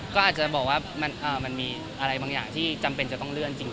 ก็อาจจะบอกว่ามันมีอะไรบางอย่างที่จำเป็นจะต้องเลื่อนจริง